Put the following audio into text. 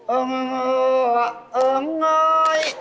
เอิ่มเอิ่มไง